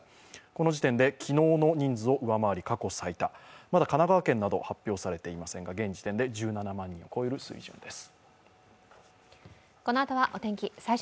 この時点で昨日の人数を上回り過去最多まだ神奈川県など発表されていませんが現時点で１７万人を超える水準です。